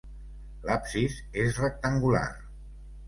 L'absis és rectangular.